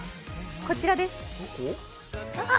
こちらです。